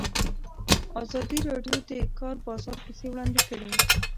ازادي راډیو د د کار بازار کیسې وړاندې کړي.